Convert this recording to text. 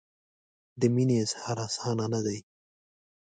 د مینې اظهار اسانه نه دی.